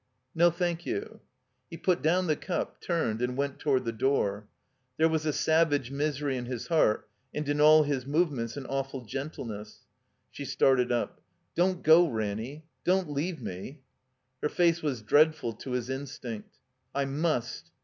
"No, thank you." He put down the cup, turned, and went toward the door. There was a savage misery in his heart and in all his movements an awful gentleness. She started up. "Don't go, Ranny. Don't leave me." Her voice was dreadful to his instinct. "I must."